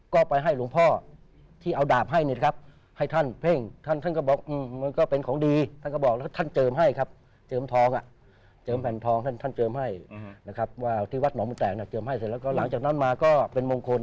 ก็ไปให้หลวงพ่อที่เอาดาบให้เนี่ยนะครับให้ท่านเพ่งท่านท่านก็บอกมันก็เป็นของดีท่านก็บอกแล้วท่านเจิมให้ครับเจิมทองเจิมแผ่นทองท่านท่านเจิมให้นะครับว่าที่วัดหนองบุญแตกเจิมให้เสร็จแล้วก็หลังจากนั้นมาก็เป็นมงคล